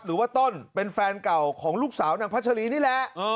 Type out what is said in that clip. หรือว่าต้นเป็นแฟนเก่าของลูกสาวนางพัชรีนี่แหละ